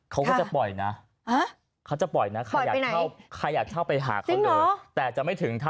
เขาก็จะปล่อยนะปล่อยไปไหน